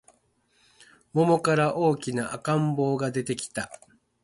桃から大きな赤ん坊が出てきた